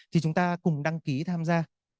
thì chúng ta cùng đăng ký tham gia